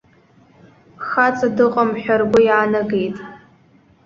Хаҵа дыҟам ҳәа ргәы иаанагеит.